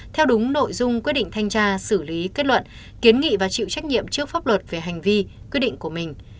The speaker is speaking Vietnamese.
theo đúng nội dung quyết định thanh tra xử lý kết luận kiến nghị và chịu trách nhiệm trước pháp luật về hành vi quyết định của mình